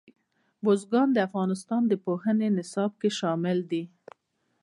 بزګان د افغانستان د پوهنې نصاب کې شامل دي.